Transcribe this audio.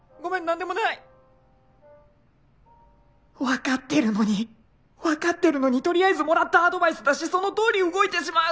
分かってるのに分かってるのに取りあえずもらったアドバイスだしそのとおり動いてしまう